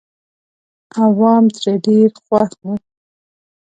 عوام ترې ډېر خوښ وو.